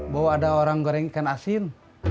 bahwa ada orang goreng ikan asin